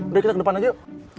udah kita ke depan aja